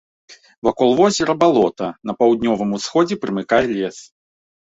Вакол возера балота, на паўднёвым усходзе прымыкае лес.